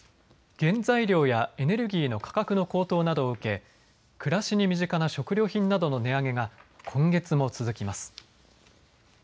原材料やエネルギーの価格の高騰などを受け暮らしに身近な食料品などの値上げが今月も続きます。